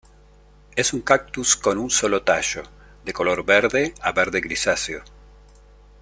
Es un cactus con un solo tallo, de color verde a verde grisáceo.